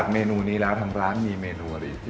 กุ้งที่เห็นนี่